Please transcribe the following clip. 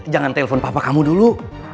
jangan telepon papa kamu dulu